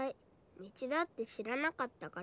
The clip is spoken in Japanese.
道だって知らなかったから。